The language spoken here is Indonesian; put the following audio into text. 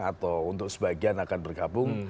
atau untuk sebagian akan bergabung